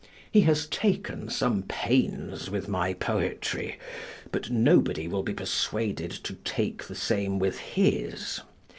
He has taken some pains with my poetry, but nobody will be persuaded to take the same with his.